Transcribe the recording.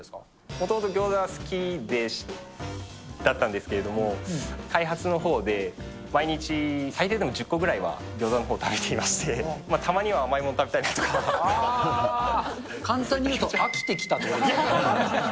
もともとギョーザって好きだったんですけれども、開発のほうで毎日、最低でも１０個ぐらいはギョーザのほうを食べていまして、簡単に言うと、飽きてきたと。